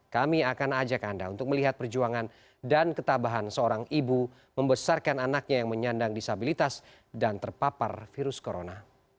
kami akan ajak anda untuk melihat perjuangan dan ketabahan seorang ibu membesarkan anaknya yang menyandang disabilitas dan terpapar virus corona